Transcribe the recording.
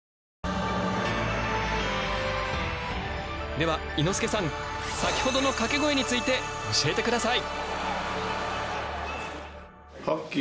では伊之助さん先ほどのかけ声について教えてください！